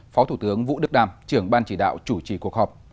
phó thủ tướng vũ đức đàm trưởng ban chỉ đạo chủ trì cuộc họp